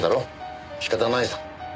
仕方ないさ。